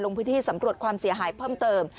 ลงพื้นที่สำรวจความเสียหายเพิ่มเติม